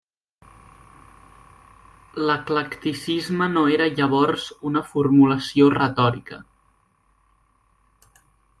L'eclecticisme no era llavors una formulació retòrica.